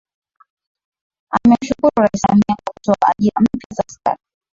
Amemshukuru Rais Samia kwa kutoa ajira mpya za askari